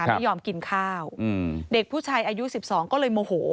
ไม่ยอมกินข้าวเด็กผู้ชายอายุ๑๒ก็เลยโมโห